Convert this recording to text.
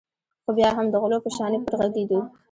خو بیا هم د غلو په شانې پټ غږېدو.